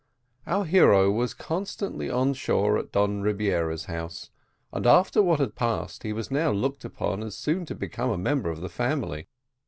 Our hero was constantly on shore at Don Rebiera's house, and, after what had passed, he was now looked upon as soon to become a member of the family.